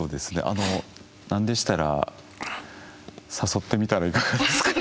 あのなんでしたら誘ってみたらいかがですか？